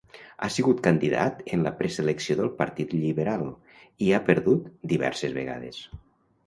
Ha sigut candidat en la preselecció del Partit Lliberal i ha perdut "diverses vegades".